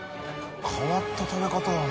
変わった食べ方だな。